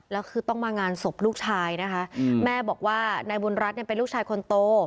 แล้วคือต้องมางานศพลูกชายนะคะแม่บอกว่านายบุญรัฐเนี่ยเป็นลูกชายคนโต